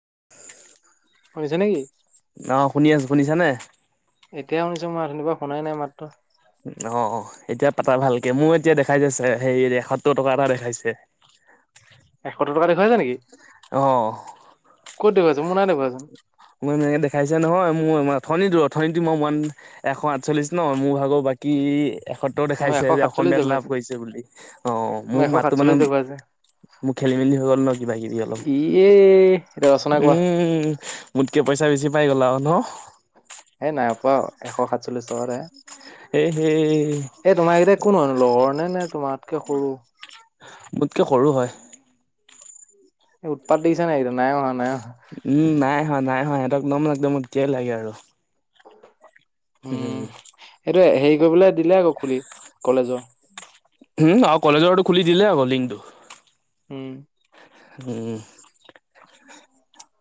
[inaudible] শুনিছে নেকি অ শুনি আছো শুনিছা নে এতিয়াহে শুনিছো মই অথনিপৰা শুনাই নাই মাতটো অ এতিয়া পাতা ভালকে মোৰ এতিয়া দেখাইছে সে এসত্তৰ টকা এটা দেখাইছে। এসত্তৰ টকা দেখুৱাইছে নেকি ক'ত দেখুৱাইছে। মোৰ নাই দেখুওৱা চোন। মই এনেকে দেখাইছো নহয় মোৰ [unintelligible] দূৰত অথনীটো মই ওৱান এশ আঠচল্লিশ ন মোৰ ভাগৰ বাকী এসত্তৰ মোৰ এশ দেখাইছে যে সাতচল্লিশ অসমীয়াত লাভ দেখুৱাইছে। কৰিছে বুলি অ মোৰ এশ মাযতো মানে সাতচল্লিশ দেখুৱাইছে। মোৰ খেলি মেলি হৈ গ'ল ন কিবা কিবি অলপ ইয়ে এতিয়া ৰচনা কোৱা। উম মোতকে পইচা বেছি পাই গলা আৰু ন সেই নাই পোৱা এশ সাতচল্লিশ টকা এটাহে এ হেই এ তোমাৰ কেইটা কোন হয়নো লগৰ নে নে তোমাতকে সৰু মোতকে সৰু হয়। এই উৎপাত দেখিছা নাই এইটো। নাই অহা, নাই অহা। উম, নাই অহা, নাই অহা। [unintelligible] উম! ত' হেৰি কৰিবলৈ দিলে আকৌ খুলি কলেজৰ। উম, অ'! কলেজৰটো খুলি দিলে আক লিংক। উম! উম,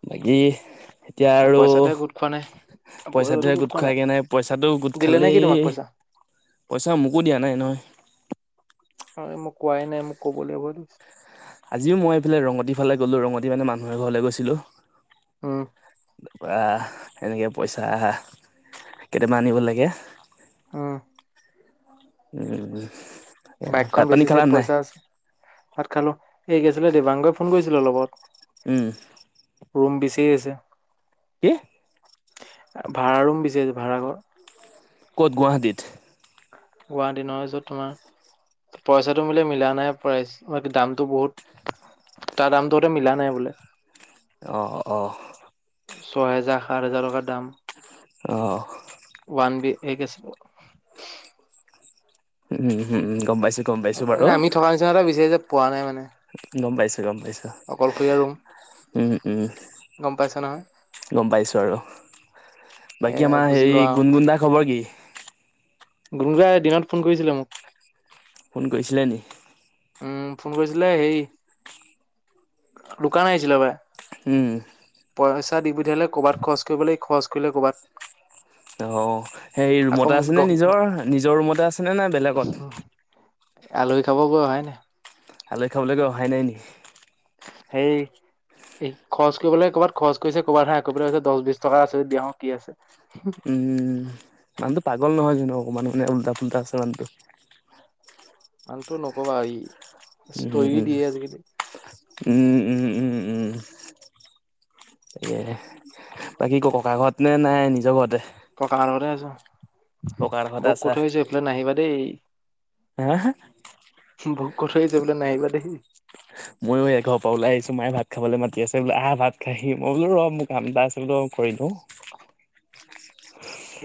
বাকী এতিয়া আৰু পইচাটোহে গোট খোৱা নাই। পইচাটোহে গোট খোৱাগে নাই। পইচাটো গোট দিলে নে কি খালেই, তোমাক পইচা? পইচা মোকো দিয়া নাই নহয়। মোক কোৱাই নাই মোক। ক'বলৈ ভয়ে আজিও মই এইফালে ৰঙতি ফালে গলোঁ। ৰঙতি মানে, মানুহ এঘৰলৈ গৈছিলোঁ। উম! বা! এেনেকে পইচা, কেইটামান আনিব লাগে। উম! [unintelligible] বাইকখন ভাত পানী বেচি যে, খালা নাই পইচা, ভাত খালোঁ। এই আছিলে দিবাংগই ফোন কৰিছিলে অলপ আগত। উম! কি হৈছে? কি? ভাড়া ৰুম দিছে, ভাড়াঘৰ। ক'ত গুৱাহাটীত? গুৱাহাটী নহয়। য'ত তোমাৰ, পইচাটো বোলে মিলা নাই প্ৰাইছ দামটো বহুত, তাৰ দামটো হঁতে মিলা নাই বোলে। অ'! অ'! ছয় হেজাৰ, সাত হেজাৰ টকাত দাম অ'! ওৱান বি, এই [unintelligible] উম, হু, গম পাইছোঁ। আমি থকা নিচিনা এটা বিচাৰি যে পোৱা নাই মানে। গম পাইছোঁ। গম পাইছোঁ। অকলশৰীয়া ৰুম উম, উম, গম পাইছা নহয় গম পাইছোঁ। [unintelligible] এ বাকী আমাৰ বুজি হেৰি, লোৱা গুণ গুণ দা খবৰ কি? গুণ গুণ দাই দিনত ফোন কৰিছিলে মোক। ফোন কৰিছিলে নি? উম, ফোন কৰিছিলে সেই দোকান আহিছিলে সঁপাই। উম। পইচা দি পঠিয়ালে কৱাত খৰচ কৰিব লাগে ই খৰচ কৰিলে কৰ'বাত। অ সেই আকৌ ৰুমতে মোক দ আছেনে নিজৰ নিজৰ ৰুমতে আছেনে নে বেলেগত। আলহী খাব গৈ অহাই নাই। আলহী খাবলৈকে অহাই নাই নেকি? সেই এই খৰচ কৰিবলৈ কৰ'বাত খৰচ কৰিছে কৰ'ৰবাত হে আকৌ পেলাই কৈছে দহ বিশ টকা আছে দিয়া অ কি আছে। উম মানুহটো পাগল নহয় জানো। অ মান মানে উল্টা ফুল্টা আছে মানুহটো। আনটো নকবা এই উম উ উম উম উম উম। এ বাকী ককা ঘৰত নে নাই নিজৰ ঘৰতে। ককাহেত ঘৰতে আছো। ককাৰ ঘৰতে বৌক কৈ আছা। থৈ আহিছো এইফালে নাহিবা দেই হা বৌক কৈ থৈ আহিছো এইফালে নাহিবা দেই ময়ো এঘৰৰ পৰা ওলাই আহিছো মায়ে ভাত খাবলৈ মাতি আছে বোলো আহ ভাত খাইি মই বোলো ৰ মোৰ কাম এটা আছে বোলো কৰি দিওঁ।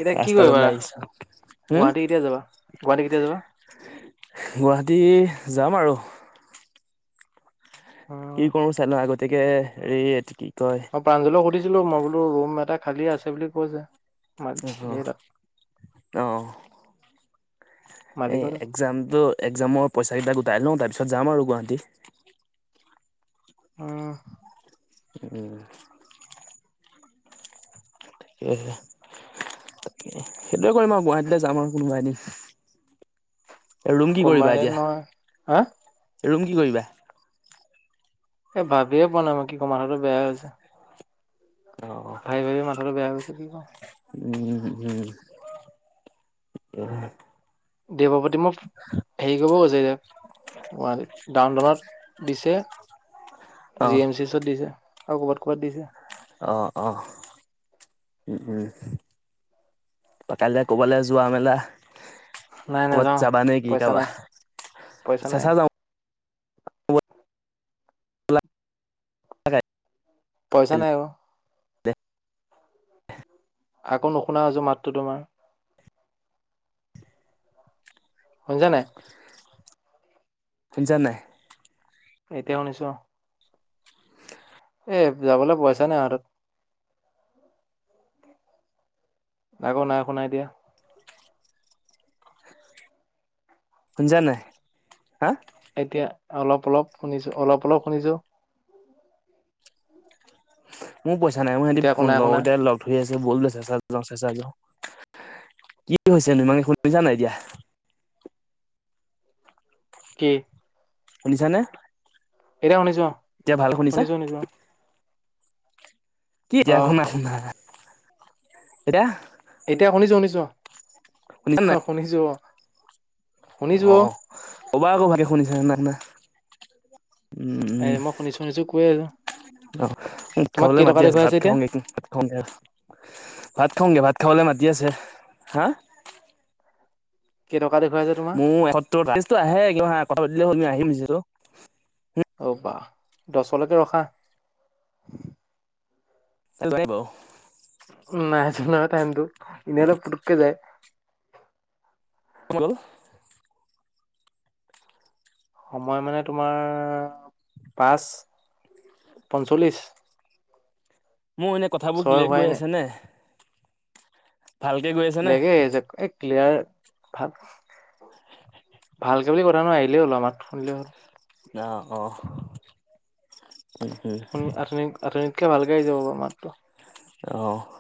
এতিয়া কি কৰিবা হম, গুৱাহাটী কেতিয়া যাবা গুৱাহাটী কেতিয়া যাবা। গুৱাহাটী যাম আৰু। কি উম কৰো চাই লওঁ আগতে। গতিকে হেৰি এইটো কি? কয় মই প্ৰাঞ্জলক সুধিছিলো মই বোলো ৰুম এটা। খালী আছে বুলি কৈছে। সেই অ', তাত অ' এই মালিকৰ তাত একজামটো, একজামৰ পইচা। গোটাই লওঁ তাৰ পিছত যাম আৰু গুৱাহাটী। উম উম। ঠিকে। তাকে, সেইটোয়ে কৰিম আৰু গুৱাহাটীলৈ যাম আৰু কোনোবা এদিন। ৰুম কি কৰিবা কম্বাইনে এতিয়া নহয় হা। ৰুম কি কৰিবা? এ ভাবিয়ে পোৱা নাই মই কি ক মাথাটো বেয়াই হৈ গৈছে। অ', ভাবি ভাবি মাথাটো বেয়া হৈ গৈছে। [unintelligible] উম উম। দেৱপাতি মোক হেৰি কৰিব কৈছে, গুৱাহাটী ডাউনটাউনত দিছে অ', জি এম চি এইচ ত দিছে। আৰু কবাত কবাত দিছে। অ', অ' উম উম কাইলৈ ক'বালে যোৱা মেলা। নাই কবাত নাযাওঁ জাবানে কি পইচা কাবা, নাই পইচা নাই চেঁচা যাওঁ। পইচা নাই অ। দে। আকৌ নুশুনা হৈছো মাতটো তোমাৰ। শুনিছা নাই। শুনিছা নাই? এতিয়া শুনিছো অ'। এ যাবলৈ পইচা নাই হাতত আকৌ নাই শুনা এতিয়া। শুনিছা নাই, হা। এতিয়া অলপ অলপ শুনিছো, অলপ অলপ শুনিছো। মোৰ পইচা নাই, মোৰ এতিয়া আকৌ সিহঁতি নাই লগৰ শুনা কেইটাই লগ ধৰি আছে বল চেঁচাত যাও কি হৈছে নো তুমাক শুনিছা নাই এতিয়া। কি? শুনিছা নে? এতিয়া শুনিছো অহ, এতিয়া ভাল শুনিছো, শুনিছো। কি অ এতিয়া আক নাই শুনা। এতিয়া। এতিয়া শুনিছো, শুনিছো। শুনিছা নাই অ', শুনিছো অ'। শুনিছো অ'। ক'বা আকৌ বাকি শুনিছা নে নাই শুনা। উম, এ উম মই শুনিছো শুনিছো কৈ আছো অ' তোমাক খাবলৈ কেই টকা মাতি আছ ভাত দেখুৱাইছে এতিয়া খাওগে, ভাত খাওগে, ভাত খাওগে, ভাত খাবলে মাতি। দি আছে হা। কেই টকা দেখুৱাইছে তোমাৰ মোৰ এসত্তৰ টা, লিষ্ট টো আহে কথা পাতিলে [unintelligible] আহিম। হেল্ল'। অ', বা দচলৈকে ৰখা। [unintelligible] নাই যোৱা নহয়, টাইমটো এনে হ'লে পুতুককে যায়। গ'ল সময় মানে তোমাৰ পাঁচ পঞ্চল্লিশ। মোৰ এনেই কথাবোৰ ক্লেয়াৰ হোৱাই গৈ নাই আছেনে। বেলেগে আহি আছে এক। ক্লিয়াৰ ভাল ভালকে বুলি কথা নাই আহিলে হ'ল, মাত শুনিলেই হ'ল। অ', -অ' উম উম শুনি [unintelligible] কিয় [unintelligible] [unintelligible] মাত্ৰ অ',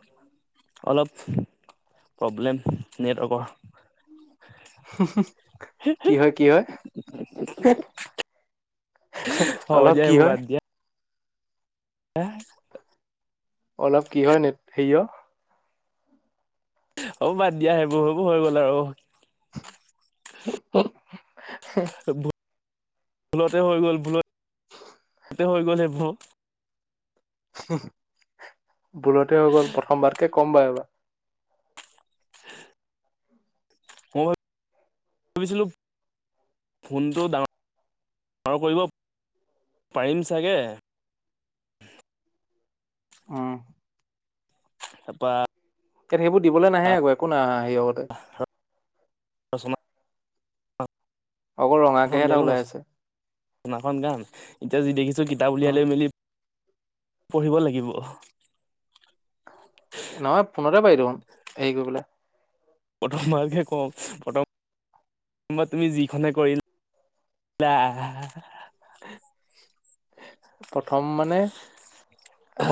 অলপ প্ৰব্লেম নেটৱৰ্কৰ। কি হয়, কি হয়, হ'ব অলপ দিয়া কি সেইবোৰ হয়। বাদ দিয়া [unintelligible] অলপ কি হয় নেট হেৰিয়ৰ। অ', বাদ দিয়া সেইবোৰ হৈ গ'ল আৰু। [inaudible] [unintelligible] ভুলতে হৈ গ'ল, ভুলত ভুলতে হৈ গ'ল সেইবোৰ। [inaudible] ভুলতে হৈ গ'ল প্ৰথমবাৰকে ক'ম বাৰু এইবাৰ। [inaudible] [inaudible] ভাবিছিলোঁ ফোনটো ডাঙৰ, ডাঙৰ কৰিব পাৰিম চাগে। উম। তাপা। সেইবোৰ দিবলৈ নাহে আকৌ একো নাই অহা। হেৰিয়ৰ আগতে [unintelligible] ৰচনাখন অকল ৰঙাকেহে এটা উলিয়ালো ওলাই আছে। ৰচনাখন গাম এতিয়া যি দেখিছো- কিতাপ উলিয়াই উম লৈ মেলি পঢ়িব লাগিব। নহয় ফোনতে পাৰি দেখোন হেৰি কৰিবলে প্ৰথবাৰকে কওঁ প্ৰথম তুমি যিখনে কৰিলা। [inaudible] প্ৰথম মানে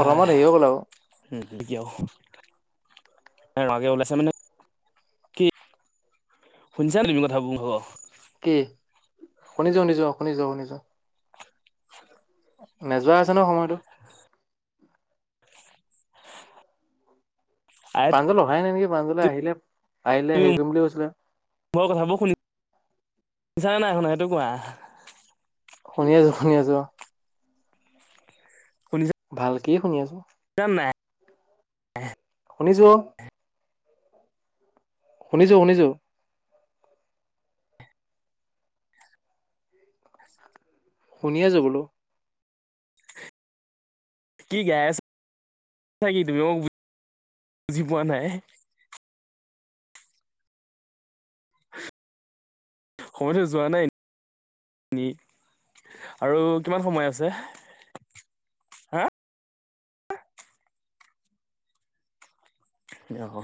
প্ৰথমত হেৰি হৈ গ'ল আৰু ওলাইছে মানে শুনিছানে তুমি কথাবোৰ মোৰ ভাগৰ কি শুনিছোঁ শুনিছোঁ অঁ, শুনিছোঁ। নেযোৱা আছে নহয় সময়টো। আই প্ৰাঞ্জল অহাই নাই নেকি? প্ৰাঞ্জল দা আহিলে আহিলে তুমি হেৰি কৰিম বুলি কৈছিলে। শুনিছানে নাই শুনা সেইটো কোৱা। শুনি আছো শুনি আছো। শুনিছা ভালকেই শুনি আছো। [unintelligible] শুনিছো অঁ, শুনিছো শুনিছো। শুনি আছো বোলো। কি গাই আছা কি তুমি মোক বুজি পোৱা নাই। সময়তো যোৱা নাই নি আৰু কিমান সময় আছে হা? যাব